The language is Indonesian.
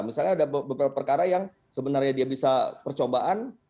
misalnya ada beberapa perkara yang sebenarnya dia bisa percobaan